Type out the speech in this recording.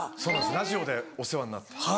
ラジオでお世話になった。